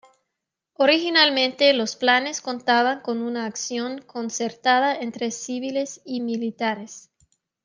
Originalmente, los planes contaban con una acción concertada entre civiles y militares.